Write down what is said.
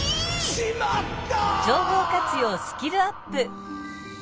「しまった！」。